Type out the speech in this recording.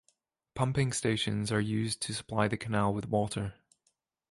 Pumping stations are used to supply the canal with water.